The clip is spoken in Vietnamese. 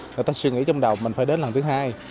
người ta suy nghĩ trong đầu mình phải đến lần thứ hai